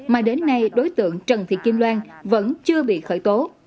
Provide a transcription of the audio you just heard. mà đến nay đối tượng trần thị kim loan vẫn chưa bị khởi tố